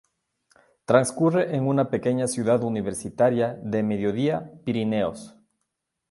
Transcurre en una pequeña ciudad universitaria de Mediodía-Pirineos.